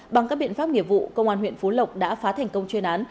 bằng các biện pháp nghiệp vụ công an huyện phú lộc đã phá thành công chuyên án